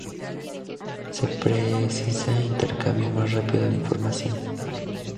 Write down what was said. Se precisa intercambio más rápido de información.